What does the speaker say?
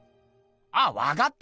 あっわかった！